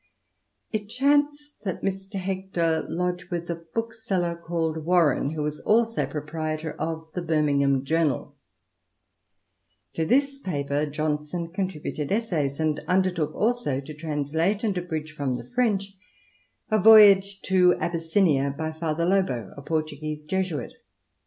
It chanced that Mr. Hector lodged with a bookseller called Warren, who was also proprietor ot the Birmingham JournaL To this paper Johnson contributed essays, and undertook also to translate and abridge from the French A Voyage to Abyssiniuy by Father Lobo, a Portuguese Jesuit.